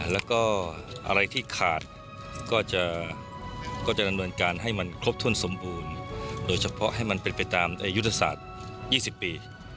แล้วก็อะไรที่ขาดก็จะดำเนินการให้มันครบถ้วนสมบูรณ์โดยเฉพาะให้มันเป็นไปตามยุทธศาสตร์๒๐ปี